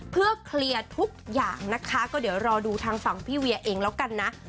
เพื่อเคลียร์ทุกอย่างนะคะก็เดี๋ยวรอดูทางฝั่งพี่เวียเองแล้วกันนะ